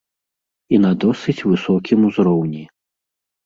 І на досыць высокім узроўні.